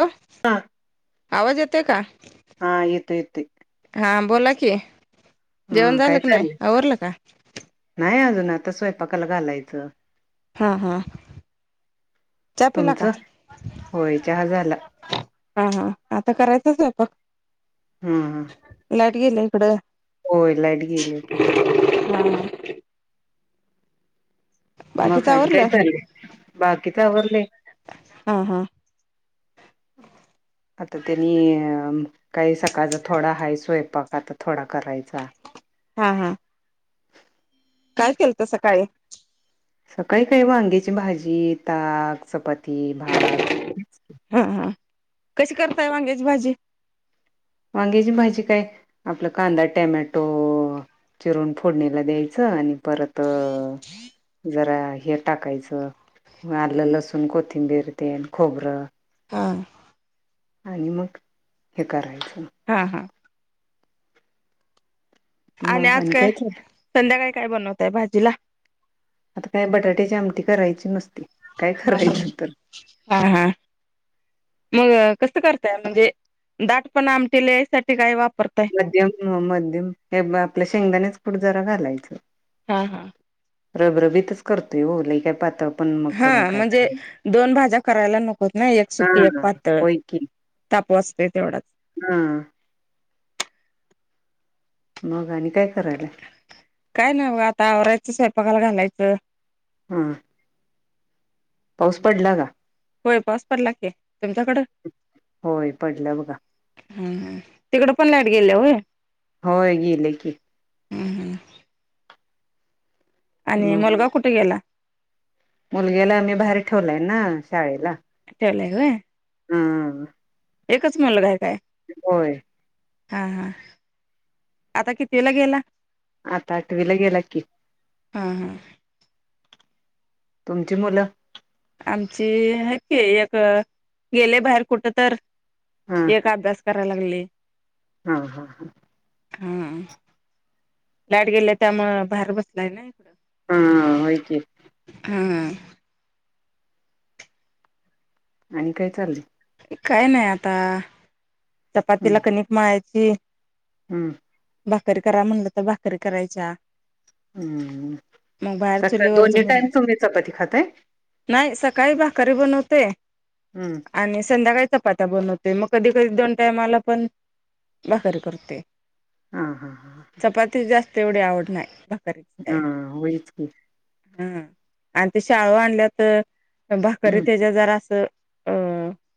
Hello हा आवाज येतोय का? हा. येतोय येतोय हा बोला की जेवण हा काय झालं की नाही चाललंय आवरलं का नाही अजून आता स्वयंपाकाला घालायचं हा हा चहा पिला का? तुमचं होय चहा झाला हा हा आता करायचंच स्वपाक हम् हम्म. गेल्या इकडं हो लाईट गेल्या की. हम्म [inaudible] मग आणि काही आवरलं? चालं बाकीच आवरलय हा हा आता त्यांनी अ काही सकाळचा थोडा हा स्वयंपाक आता थोडा करायचा हा हा काय केलत सकाळी सकाळी काही वांग्याची भाजी, ताक, चपाती- ते भात [unintelligible] हा हा कशी करताय वांग्याची भाजी? वांग्याची भाजी काय, आपलं कांदा टॅमॅटो- चिरून फोडणीला द्यायचं आणि परत- जरा हे टाकायचं. आलं, लसूण, कोथिंबीर तेन खोबरं- हा. आणि मग हे करायचं. हा हा. आणि मग आज काय? कायच संध्याकाळी काय बनवताय भाजीला? आता काय? बटाट्याची आमटी करायची नस- ह ह हा हा. - मग कस करताय? म्हणजे, दाटपणा आमटीला याय साठी काय वाप - मध्यम मध्यम हे आपल्या शेंगदाण्याच कूट जरा घालायचं. हा हा. रबरबीतच करतोय. [unintelligible] करून हा. काय म्हणजे करायचं दोन भाज्या करायला नकोत ना? एक सुक्की, एक हा पातळ. होय की तापस- हा. मग आणि काय करायला? काय नाही हो. आता आवरायचं स्वयंपाकाला घालायचं. हम. पाऊस पडला का? होय. पाऊस पडला की तुमच्याकडं? होय. पडला बघा. हा. तिकड पण लाईट गेले होय. होय गेले की हम् हम. आणि मग मुलगा कुठे गेला? मुलग्याला आम्ही बाहेर ठेवलाय ना? शाळेला. ठेवलाय होय? हम्. एकच मुलगाय काय? होय. हा हा. आता कितवीला गेला? आता आठवीला गेला की. हा हा. तुमची मुलं? आमची -हायेत की, एक गेलय बाहेर कुठ तर- हा एक अभ्यास करायला लागलय. हा हा हा. हा. लाइट गेले त्यामुळ बाहेर बसलाय ना? इकडं. हा. होय की. [inaudible] आणि काय चाललं? काय नाही आता -चपातीला हम्म कनिक मळायची- हम्म. भाकर करा म्हणलं तर भाकरी करायच्या- हम्म. मग बाहेर सकाळी चुलीवरच दोन्ही बनव टाईम तुमी चपाती खाताय? नाही सकाळी भाकरी बनवत- ते हम्म आणि संध्याकाळी चपात्या बनवते. मग कधी कधी दोन- टाइमला पण भाकरी करते हा हा हा चपाती जास्त तेवढी आवड नाही भाकरीच आहे हा वईच हो हा आणि ते शाळु आणल्या तर भाकरी हम्म त्याच्या जरा असं अ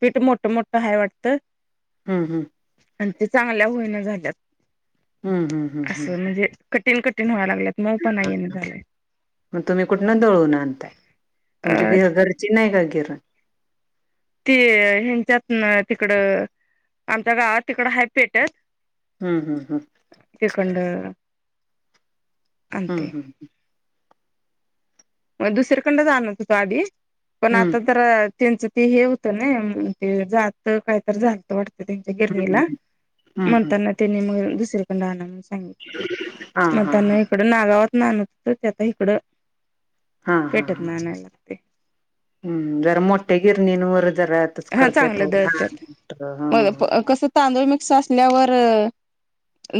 पीठ मोठ मोठं हय वाटतं हम् हम आणि ते चांगल्या होईना झाल्यात हम्म हम्म हम्म हम्म हम्म तीन कटठीिण व्हाय लागत मग पण नाही झालंय मग तुम्ही कुठन दळून आणताय तुमची अ घरची नाही का केरळ ती हच्यात तिकडं आमच्या गावात तिकड हाय पेटत हम्म हम्म हम्म किकड हम्म हम्म ह मग दुसर्याकंड जाणत हो तो आधी पण हम्म आता तर त्यांचं ते हे होतं ना ते जात कायत झालत वाटत त्यांच्या हम्म गिरणीला हम्म हम्म हम्म म्हणताना त्यांनी मग दुसर्याकंड आणत हा हा हा म्हणताना इकडं नागावात न होत ते आता इकडं हा हा पेटत हा नानायला लागते हम्म जरा मोठ्या गिरणींवर जरा आतच हा करत्यात ओ चांगलं दळत्यात मग हा कस तांदूळ मिक्स असल्यावर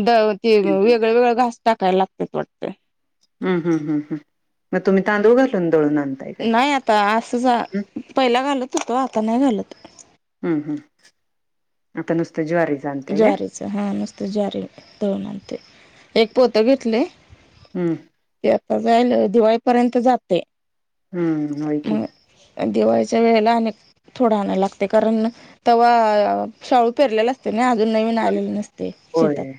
द ते वेगळ वेगळ घास टाकायला लागत वाटते हम्म हम् हम् हम् मग तुम्ही तांदुळ घालतन नाही आता असं जा हं पहिला घालत होतो आता नाही घालत हं हं आता नुस ज्वारीच हा नुसत ज्वारी दळून आणते एक पोत घेतले हम्म जाईल दिवाळीपर्यंत जाते हम्म होय की मग दिवाळीच्या वेळेला अनेक थोडा आणायला लागते कारण तेव्हा शाळू पेरलेला असते ना अजून नवीन आलेले नसते शेतात होय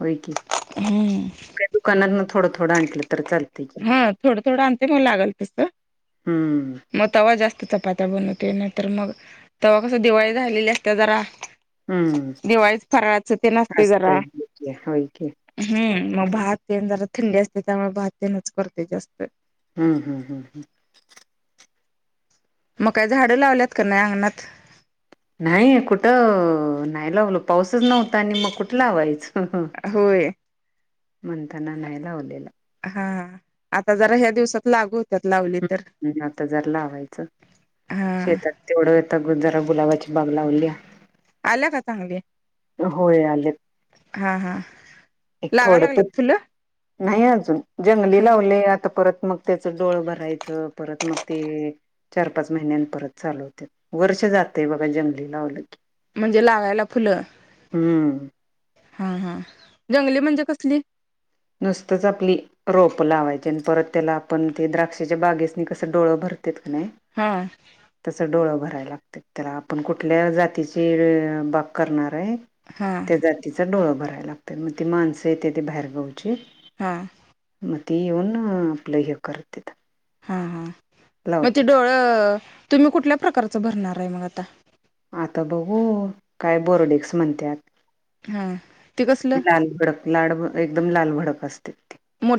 होय की हम्म का दुकानातन थोडं थोडं आणलं तर ल हा थोडं थोडं आणते मग लागल तस हं मग तवा जास्त चपात्या बनवते नाहीतर मग तेव्हा कस दिवाळी झालेली असत जरा हं दिवाळीस फराचं ते नसते जरा असतंय होय की होय की. हम्म मग भात तेन जरा थंडी असते त्यामुळे भातनच करते असत हम्म हम्म हम्म हम्म म का झाडं लावल्यात कर नाही आंगणात नाही कुठं नाही लावल पाऊसच नव्हता आणि मग कुठ ला हवायचं होय मंत न नाहीयला होवलला हा आता जरा ह्या दिवसात लागू होत्यात लावली ह तर हम् आता जर लावायचं हा शेतात तेवढं तगूत जरा गुलावाची बाग लावली आल्या का चांगली होय आले हा हा एक लागा थोडंत लागल्यात फुलं नाही अजून जंगली लावले आता परत मग त्याच डोळ भरायच परत मग ते चार पाच महिन्यां परत चाल वर् जातय बघा जंगली लावलं की म्हणजे लावायला फुलं हम्म. हा हा जंगली म्हणजे कसली? नुसतच आपली रोप लावायची आणि परत त्याला आपण ते द्राक्षाच्या बागेसनी कस डोळं भर क हा तस डोळं भर करा लागत त्याला आपण कुठल्या जातीची बाग करणार हा त्या जातीचा डोळ भरायला लागत मग ती माणसं येते ते बाहेरगावची हा. ते येऊन आपलं हे करतीत. हा हा मग ते डोळं तुम्ही कुठल्या प्रकारचं भरणार आहे मग आता? आता बघू काय बोरोडेक्स म्हणत्यात. हा ती कसलं लाल भडक लाड एकदम लाल भडक असते.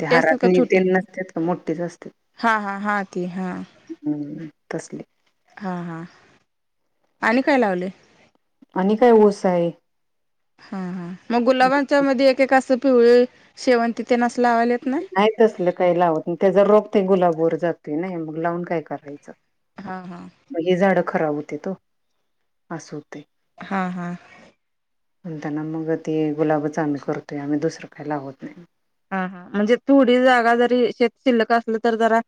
ते असतात हारात का नि छोटी त नसतात का मोठीेच असते. हा हा हा ती हा हम्म तसले. हा हा आणि काय लावले. आणि काय ओस आहे हा हा मग गुलाबांच्या मध्ये एकका असं पिवळी शेवंती ते नस नाही तसलं काही लावत त्या ज रोप ते गुलाबर जाते ना मग लावून काय करायचं. हा हा. मग हे झाडं खराब होत्यात हो असं होतंय. हा हा. पण त्यांना मग ते गुलाबच आम्ही करतोय आम्ही दुसरं काही लावत नाही. हा ह म्हणजे थोडी जागा जरी शेत शिल्लक असलं तर जरा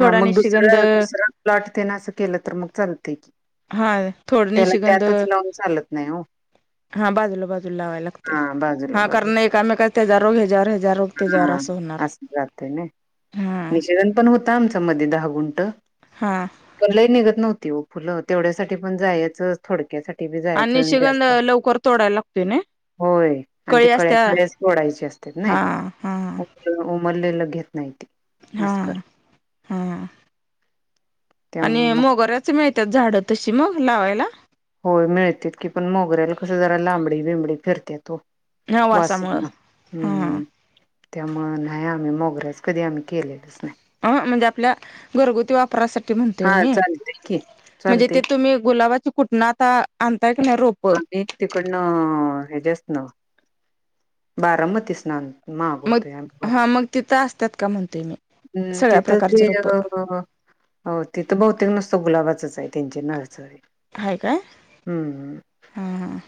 हा मग निशिगंध दुसरं दुसर प्लॉट त्यांन असं केलं तर मग चालतंय की हा थोड त्याला निशिगंध. त्यातच लावून चालत नाही हो हा बाजूला बाजू लावाय लागते हा बाजूला हा कारण बाजूला एकामेका त्याज रोग ह्याज हा असं जातं ना हा निषेधन पण होत आमच्या मध्ये दहा गुंट हा कलही निघत नव्हती फुलं तेवढ्यासाठीठी पण जायच थोडक्यासाठी बी आणि नि जायचं शिगंध जास्त लवकर तोडायला लागते ना. होय आणि ती कळी कळ्या असत्या कळ्यास तोडायची असत्यात ना. हा हा उमरलेला घेत नाही ते. हा आजकाल हा आणि त्यामुळे मग मोगऱ्याच मिळ त्या झाडं तशी मग लावायला. होय मिळते की पण मोगऱ्याला कस जरा लांबडी बिंबडी फिरत्यात हो हा वासामुळं वासामुळे हा हम्म त्यामुळे नाही आ आम्ही मोगराच कधी आम्ही केलेलंच नाही. अ म्हणजे आपल्या घरगुती वा परासाठी म्हणतोय हा ओ मी चालतय की म्हणजे ते चालतय तुम्ही गुलाबाच कुठंन आता की नाही रोप आम्ही तिकडन हिझ्यासन बारामतीसना मग हा मग तिथं असतात का म्हणत हम्म तिथं ते अ तिथं बहुतेक नसतं गुलाबाच चच आहे त्यांची नर्सरी. आहे काय हा हा.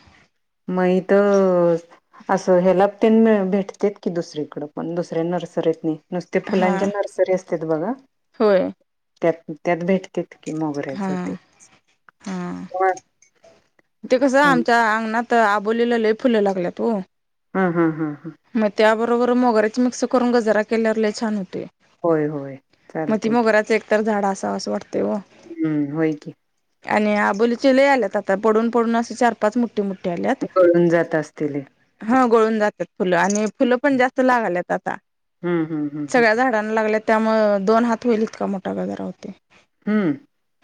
महीत असं ह्याला त्यां भेटत्यात की दुसरीकडं पण दुसऱ्या नर्सरीतनी नुसत्या हा फुलांच्या नर्सरी असतात बघा होय त्यात त्यात भेट ते त की हा मोगऱ्याचं तेच हा ते कसं हा आमच्या अंगणात त आबोलीला लय फुलं लागल्यात हो. हम्म हम्म हम्म. मग त्याबरोबर मोगऱ्याच मिक्स करून गजरा केल्यावर लय छान होतय. होय होय चालतंय की तर झाड असावस वाटतंय व हम्म होय की आणि आबोली आत आ पडून पडून अस चार पाच मोठी मोठी आल्यात गळून जात असतील हे हाव. गळून जातात फुलं आणि फुलं पण जास्त लागायल्यात आता हम्म हम्म हम्म सगळ्या झाडांना लागल्यात. त्यामुळं दोन हात होईल इतका मोठा गजरा होतय. हम्म.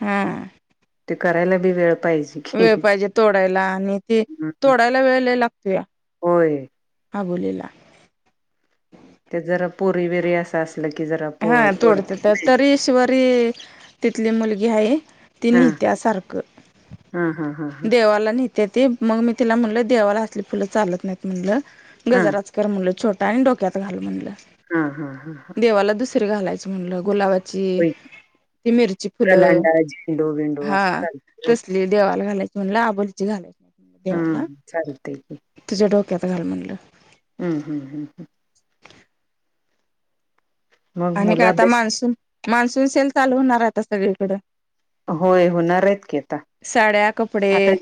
हां. ते करायला बी वेळ पाहिजे की वेळ हं, पाहिजे तोडायला आणि ते हं. तोडायला वेळ लय लागतोया. होय अबोलीला तेच जरा पोरी बिरी असं अस. हा तोडते तरी ईश्वरी तिथली मुलगी हाय. ती हा नित्या सारखं. हा हा हा हा देवाला नेहत्या ती मग मी तिला म्हणल देवाला असली फुलं चालत नाहीत म्हणलं. हा गजराच कर म्हणल छोटा आणि डोक्यात घाल म्हणलं. हा हा हा हा. कुठं घालायचं म्हणलं गुलाबाची होय. ती मिरची फुलं कलांडा झेंडू बिंडू हा असं चालतं तसली देवाला घालायची. म्हटलं अबोलीची घाला. हम्म चालते ह. त्यात घाल म्हणलं. हम्म हम्म हम्म हम्म. मग आणि मुलं का आता अभ्यास मान्सून मान्सून सेल चालू होणार आहे आता सगळीकडें होय होणार आहेत की आता साड्या कपडे आता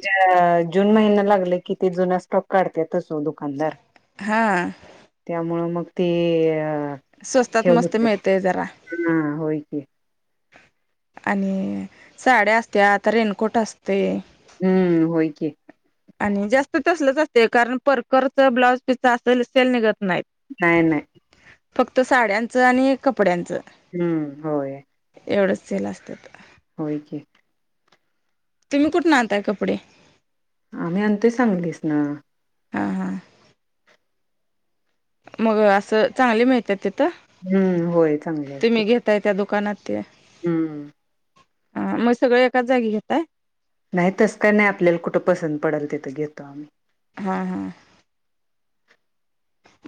जून महिना लागले किती जुना स्टॉक काढत्यात. दुकानदार हा त्यामुळं मग ते स्वस्तात खे मस्त मिळतय जरा हा होय क. आणि साड्या असत्यात आता रेनकोट असतंय. हम्म होय की आणि जास्त तसलंच असतय कारण परकरच ब्लाऊज पिस असलं सेल निघत नाहीत. नाही नाहीय. फक्त साड्यांचं आणि कपड्यांचं हम्म होय. एवढंच सेल असतात. होय की तुम्ही कुठंन आणताय कपडे. आम्ही आणतो सांगलीसन. हा हा. मग असं चांगले मिळत्यात तिथं हम्म, होय चांगले असते. तुम्ही घेताय त्या दु कानातं त्या. हम्म. ह मग सगळ एकाच जागी घेताय. नाही तस काय नाही आपल्याला कुठं पसंत पडेल तिथं घेतो आम्ही. हा हा.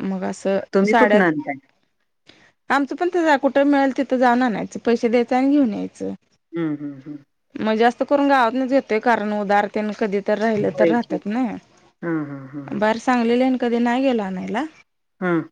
मग असं तुम्ही साड्यात, कुठनं आणताय? आमचं पण तसच कुठं मिळा ल तिथं जाऊन आणायच पैसे द्यायं आणि घेऊन यायचं. हम्म हम्म हम्म. मग जास्त करून गावातनच घतोय कारण उदारतेन कधी तर राहिलं तर होय की. राहतात नाय हां, हां, हां. बाहेर सांगलीला अन कधी नाही गेला आणयला. हम.